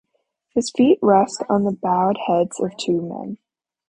His feet rest on the bowed heads of two men.